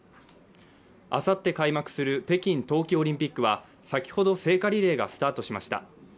あさって開幕する北京冬季オリンピックは先ほど聖火リレーがスタートしました